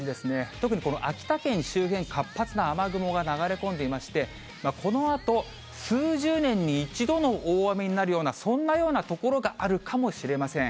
特にこの秋田県周辺、活発な雨雲が流れ込んでいまして、このあと、数十年に一度の大雨になるような、そんなような所があるかもしれません。